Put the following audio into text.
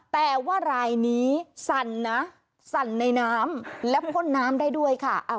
แต่ว่ารายนี้สั่นนะสั่นในน้ำและพ่นน้ำได้ด้วยค่ะ